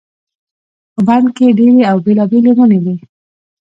په بڼ کې ډېرې او بېلابېلې ونې وي.